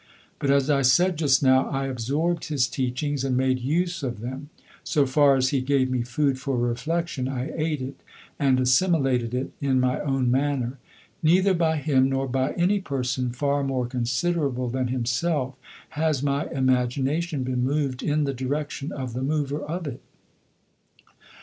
But as I said just now I absorbed his teachings and made use of them. So far as he gave me food for reflection I ate it, and assimilated it in my own manner. Neither by him nor by any person far more considerable than himself has my imagination been moved in the direction of the mover of it.